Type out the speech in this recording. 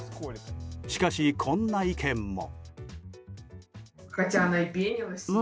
しかし、こんな意見も。